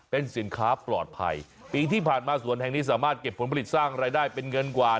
เป็นสินค้าปลอดภัยปีที่ผ่านมาสวนแห่งนี้สามารถเก็บผลผลิตสร้างรายได้เป็นเงินกว่า